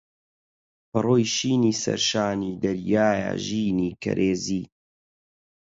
پەڕۆی شینی سەرشانی دەریایە ژینی کەرێزی